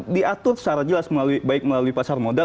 diatur secara jelas baik melalui pasar modal